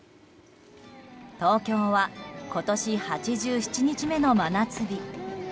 東京は今年８７日目の真夏日。